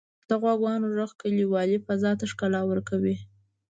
• د غواګانو ږغ کلیوالي فضا ته ښکلا ورکوي.